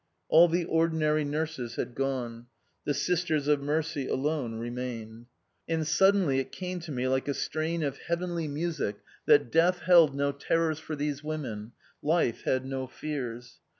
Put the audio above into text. All the ordinary nurses had gone. The Sisters of Mercy alone remained. And suddenly it came to me like a strain of heavenly music that death held no terrors for these women; life had no fears.